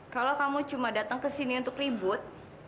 kalau kamu cuma datang ke sini untuk ribut